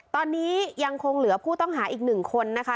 ตอนนี้ยังคงเหลือผู้ต้องหาอีกหนึ่งคนนะคะ